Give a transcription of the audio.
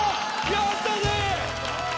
やったぜ！